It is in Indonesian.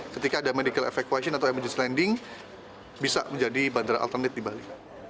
ketika ada medical efecution atau emergency landing bisa menjadi bandara alternatif di bali